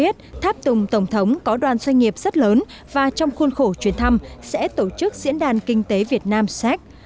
tháp tùng tổng thống có đoàn doanh nghiệp rất lớn và trong khuôn khổ chuyến thăm sẽ tổ chức diễn đàn kinh tế việt nam séc